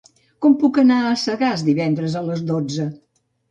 Com puc anar a Sagàs divendres a les dotze?